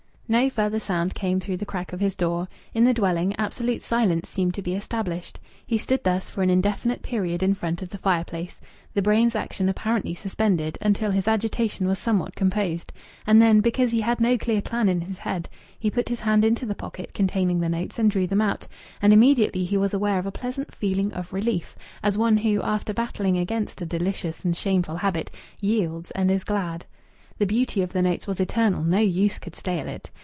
No further sound came though the crack of his door. In the dwelling absolute silence seemed to be established. He stood thus for an indefinite period in front of the fireplace, the brain's action apparently suspended, until his agitation was somewhat composed. And then, because he had no clear plan in his head, he put his hand into the pocket containing the notes and drew them out. And immediately he was aware of a pleasant feeling of relief, as one who, after battling against a delicious and shameful habit, yields and is glad. The beauty of the notes was eternal; no use could stale it.